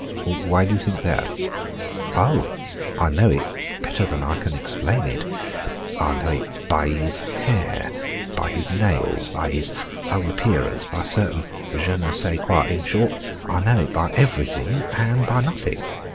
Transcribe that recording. "Why do you think that?" "Oh, I know it better than I can explain it. I know it by his hair, by his nails, by his whole appearance, by a certain je ne sais quoi; in short, I know it by everything and by nothing.